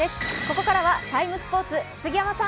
ここからは「ＴＩＭＥ，スポーツ」。